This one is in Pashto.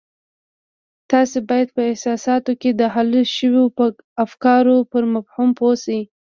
تاسې بايد په احساساتو کې د حل شويو افکارو پر مفهوم پوه شئ.